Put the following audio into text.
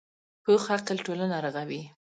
پوخ عقل ټولنه رغوي